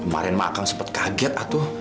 kemarin makak sempet kaget